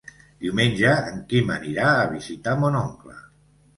Diumenge en Quim anirà a visitar mon oncle.